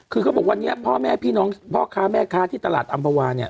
คือเขาบอกว่าพ่อแม่พี่น้องพ่อค้าแม่ค้าที่ตลาดอัมพวา